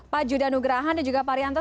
pak judanugrahan dan juga pak rianto